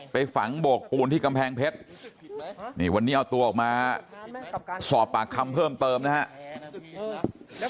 ไปฝังโบกปูนที่กำแพงเพชรนี่วันนี้เอาตัวออกมาสอบปากคำเพิ่มเติมนะครับ